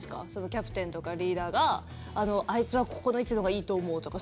キャプテンとかリーダーがあいつはここの位置のほうがいいと思うとか。